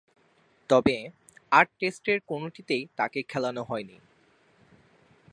তবে, আট টেস্টের কোনটিতেই তাকে খেলানো হয়নি।